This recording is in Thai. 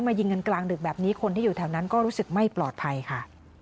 ยิงกันกลางดึกแบบนี้คนที่อยู่แถวนั้นก็รู้สึกไม่ปลอดภัยค่ะ